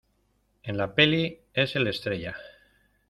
en la peli. es el Estrella .